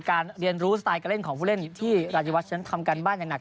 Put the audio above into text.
การเรียนรู้สไตล์กำเลนของเพของเพลินที่ราชิวัชทำการบ้านง่ายหนัก